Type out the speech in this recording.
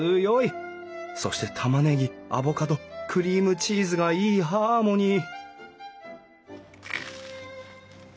そしてたまねぎアボカドクリームチーズがいいハーモニー！